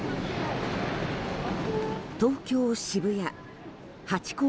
東京・渋谷ハチ公